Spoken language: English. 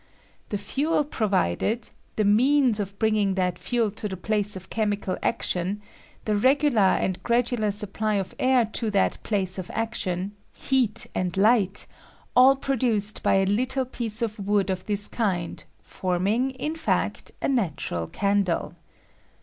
The fuel provided, the means of bringing that fuel to the place of chemical action, the regular and gradual supply of air to that place of action heat and light— all produced by a little piece of wood of this kind, forming, in fact, a natu ral candle.